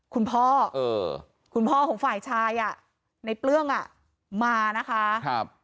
คุณพ่อคุณพ่อของฝ่ายชายในเปลื้องอ่ะมานะคะ